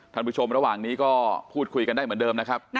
ท่านผู้ชมระหว่างนี้ก็พูดคุยกันได้เหมือนเดิมนะครับ